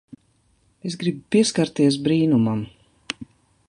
Es gribu pieskarties brīnumam.